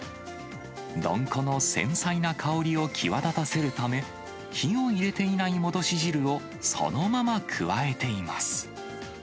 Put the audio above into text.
どんこの繊細な香りを際立たせるため、火を入れていない戻し汁をそのまま加えています。